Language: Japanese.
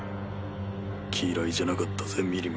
嫌いじゃなかったぜミリム。